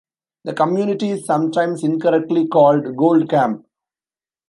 The community is sometimes incorrectly called Gold Camp.